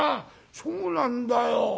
「そうなんだよ。